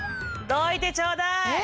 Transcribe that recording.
どいてちょうだい！